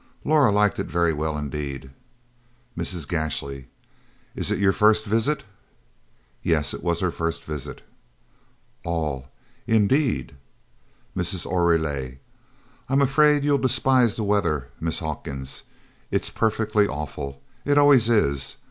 Laura liked it very well indeed. Mrs. Gashly "Is it your first visit?" Yes, it was her first. All "Indeed?" Mrs. Oreille "I'm afraid you'll despise the weather, Miss Hawkins. It's perfectly awful. It always is.